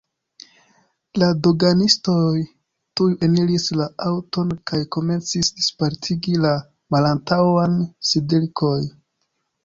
La doganistoj tuj eniris la aŭton kaj komencis dispartigi la malantaŭan sidlokon.